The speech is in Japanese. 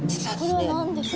これは何ですか？